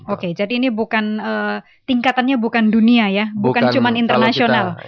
oke jadi ini bukan tingkatannya bukan dunia ya bukan cuma internasional